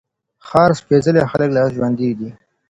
ښار سپېڅلي خلګ لا ژونـدي دي